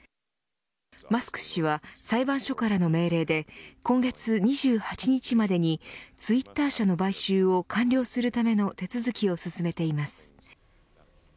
マスク氏は裁判所からの命令で今月２８日までにツイッター社の買収を完了するための手続きを進めています。